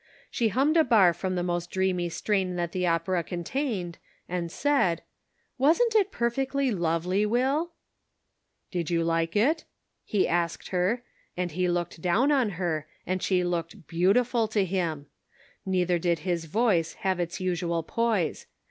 She hummed a bar from the most dreamy strain that the opera contained, and said :" Wasn't it perfectly lovely, Will ?" "Did you like it?" he asked her, and he looked down on her, and she looked beautiful to him ; neither did his voice have its usual poise.